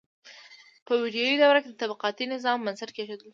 په ویدي دوره کې د طبقاتي نظام بنسټ کیښودل شو.